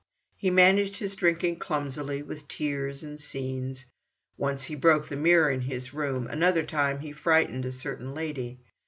He managed his drinking clumsily—with tears and scenes. Once he broke the mirror in his room; another time he frightened a certain lady.